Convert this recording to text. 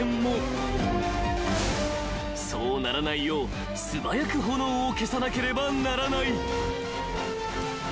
［そうならないよう素早く炎を消さなければならない］